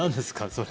それ。